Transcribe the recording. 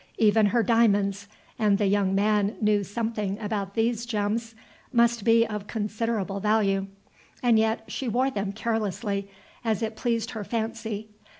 Even her diamonds and the young man knew something about these gems must be of considerable value; and yet she wore them carelessly, as it pleased her fancy.